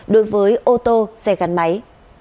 đối với ô tô xe gắn máy